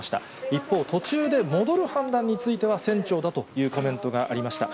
一方、途中で戻る判断については、船長だというコメントがありました。